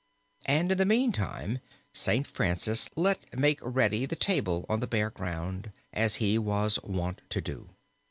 And in the meantime Saint Francis let make ready the table on the bare ground, as he was wont to do.